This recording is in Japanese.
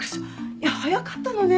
いや早かったのね。